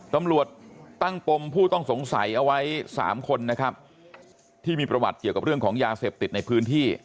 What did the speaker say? ตำรวจตั้งปมผู้ต้องสงสัยเอาไว้๓คนนะครับที่มีประวัติเกี่ยวกับเรื่องของยาเสพติดในพื้นที่